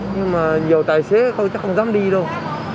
nhưng mà nhiều tài xế tôi chắc không dám đi đâu